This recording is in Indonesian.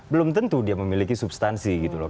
belum tentu dia memiliki substansi gitu loh